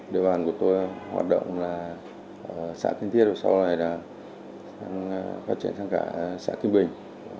đề bàn của tôi hoạt động là xã kiên thiết và sau này là phát triển sang cả xã kim bình